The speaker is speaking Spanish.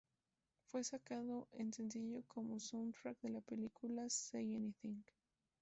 Fue sacado en sencillo como soundtrack de la película "Say Anything".